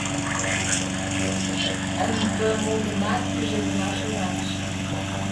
«Н.П., мо-гынат, пижедылаш йӧратыше».